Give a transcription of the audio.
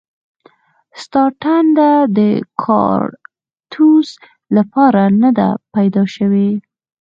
ستا ټنډه د کاړتوس لپاره نه ده پیدا شوې